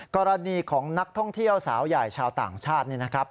กรณีของนักท่องเที่ยวสาวใหญ่ชาวต่างชาตินี่นะครับ